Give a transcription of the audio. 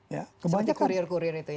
banyak kurir kurir itu ya